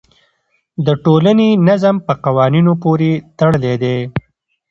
د ټولنې نظم په قوانینو پورې تړلی دی.